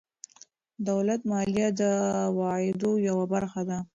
دولت مالیه د عوایدو یوه برخه ده.